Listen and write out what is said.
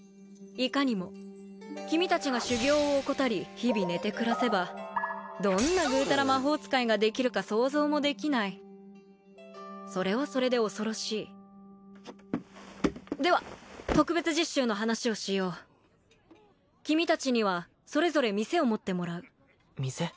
いかにも君達が修業を怠り日々寝て暮らせばどんなぐうたら魔法使いができるか想像もできないそれはそれで恐ろしいでは特別実習の話をしよう君達にはそれぞれ店を持ってもらう店？